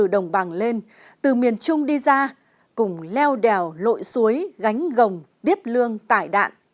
đồng bằng lên từ miền trung đi ra cùng leo đèo lội suối gánh gồng tiếp lương tải đạn